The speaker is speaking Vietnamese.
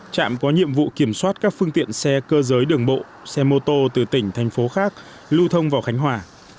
trạm có nhiệm vụ kiểm soát các phương tiện xe cơ giới đường bộ xe mô tô từ tỉnh thành phố khác lưu thông vào khánh hòa